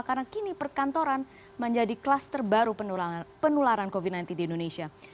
karena ini perkantoran menjadi kelas terbaru penularan covid sembilan belas di indonesia